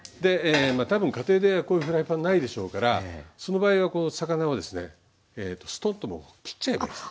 多分家庭でこういうフライパンないでしょうからその場合は魚をですねストンともう切っちゃえばいいです。